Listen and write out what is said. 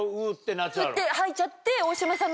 ウッて吐いちゃって。